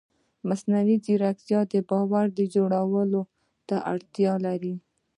مصنوعي ځیرکتیا د باور جوړولو ته اړتیا لري.